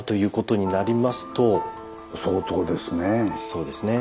そうですね。